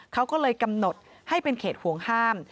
เขาก็เลยกำหนดให้เป็นเขตห่วงห้าม